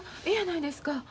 えやないですか。